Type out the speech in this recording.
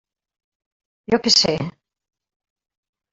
Jo què sé!